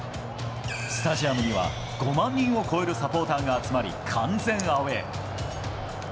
スタジアムには、５万人を超えるサポーターが集まり完全アウェー。